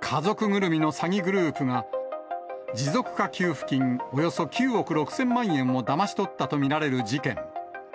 家族ぐるみの詐欺グループが、持続化給付金およそ９億６０００万円をだまし取ったと見られる事件。